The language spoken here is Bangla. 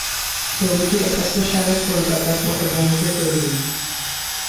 ছবিটি একাত্তর সালের কলকাতার পটভূমিতে তৈরি।